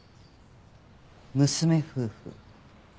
娘夫婦